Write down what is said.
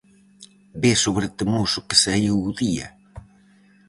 Ves o bretemoso que saíu o día?